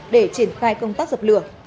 để triển khai công tác dập lửa